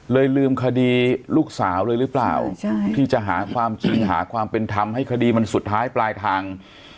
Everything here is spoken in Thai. ลืมคดีลูกสาวเลยหรือเปล่าที่จะหาความจริงหาความเป็นธรรมให้คดีมันสุดท้ายปลายทาง